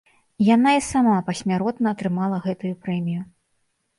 Яна і сама пасмяротна атрымала гэтую прэмію.